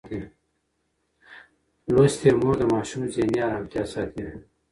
لوستې مور د ماشوم ذهني ارامتیا ساتي.